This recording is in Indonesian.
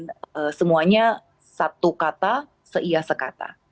dengan dpw kemarin semuanya satu kata seiasa kata